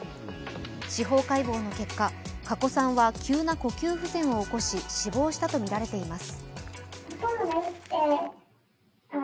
司法解剖の結果、加古さんは急な呼吸不全を起こし死亡したとみられています。